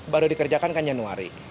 baru dikerjakan kan januari